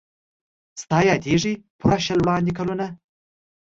ستا یادیږي پوره شل وړاندي کلونه